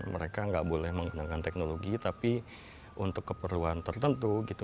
mereka nggak boleh menggunakan teknologi tapi untuk keperluan tertentu gitu